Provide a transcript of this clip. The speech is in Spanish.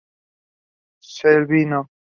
Shelby No.